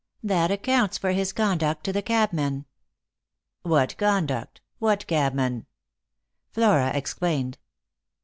That accounts for his conduct to the cabmen." " What conduct ? What cabmen ?" Flora explained.